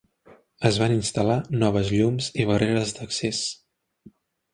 Es van instal·lar noves llums i barreres d'accés.